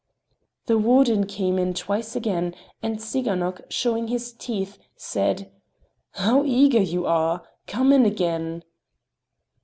The warden came in twice again, and Tsiganok, showing his teeth, said: "How eager you are! Come in again!"